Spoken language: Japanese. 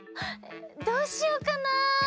どうしようかな。